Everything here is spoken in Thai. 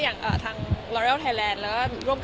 จริงก็อย่างที่แจ้งให้ทราบค่ะ